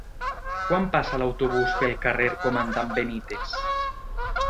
Quan passa l'autobús pel carrer Comandant Benítez?